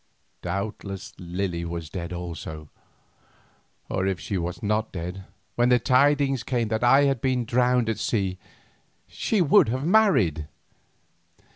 Doubtless Lily was dead also, or if she was not dead, when the tidings came that I had been drowned at sea, she would have married.